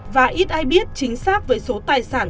và ít ai biết chính xác về số tài sản